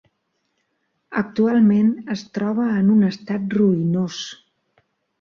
Actualment es troba en un estat ruïnós.